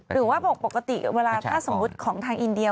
หรือว่าบอกปกติว่าสมมติของทางอินเดีย